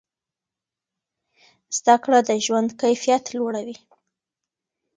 زده کړه د ژوند کیفیت لوړوي.